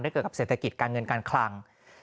และเกิดกับเศรษฐกิจการเงินการคลัง